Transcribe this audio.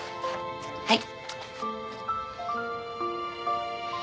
はい。